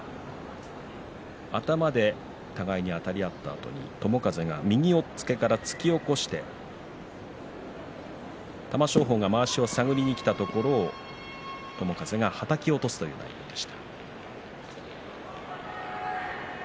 頭で互いにあたり合って友風が右を突き起こして玉正鳳がまわしを探りにきたところを友風がはたき落とすという内容でした。